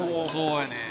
「そうやねん。